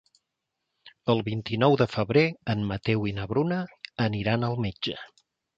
El vint-i-nou de febrer en Mateu i na Bruna aniran al metge.